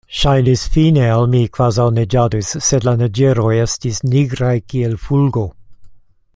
Ŝajnis fine al mi, kvazaŭ neĝadus, sed la neĝeroj estis nigraj kiel fulgo.